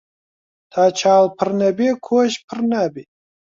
تا چاڵ پڕ نەبێ کۆش پڕ نابێ